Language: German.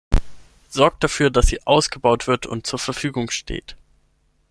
Sorgt dafür, dass sie ausgebaut wird und zur Verfügung steht!